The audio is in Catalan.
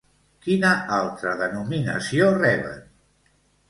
Quina altra denominació reben?